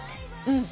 うん。